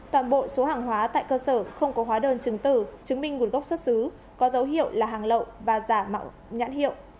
toàn bộ số hàng hóa tại cơ sở không có hóa đơn chứng tử chứng minh nguồn gốc xuất xứ có dấu hiệu là hàng lậu và giả mạo nhãn hiệu